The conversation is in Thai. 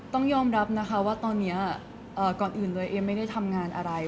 ต้องยอมรับนะคะว่าตอนนี้ก่อนอื่นเลยเอมไม่ได้ทำงานอะไร